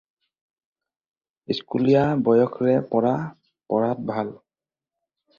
স্কুলীয়া বয়সৰে পৰা পঢ়াত ভাল।